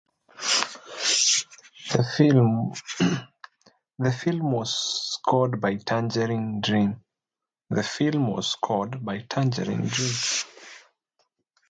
The film was scored by Tangerine Dream.